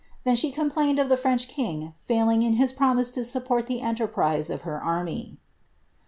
Then she complained of the French king failing in hia promise lo support the enterprise of her army."